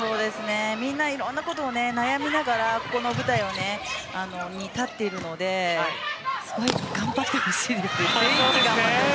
みんないろんなことを悩みながらこの舞台に立っているので頑張ってほしいですね。